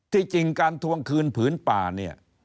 จริงการทวงคืนผืนป่าเนี่ย